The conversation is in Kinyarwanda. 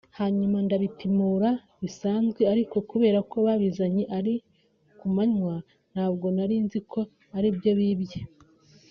hanyuma ndabipimura bisanzwe ariko kubera ko babizanye ari ku manywa ntabwo narinzi ko aribyo bibye